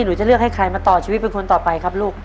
หนูจะเลือกให้ใครมาต่อชีวิตเป็นคนต่อไปครับลูก